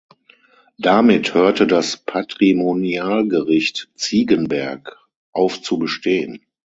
Damit hörte das "Patrimonialgericht Ziegenberg" auf zu bestehen.